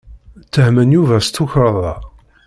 Ttehmen Yuba s tukerḍa.